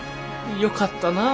よかったなぁ。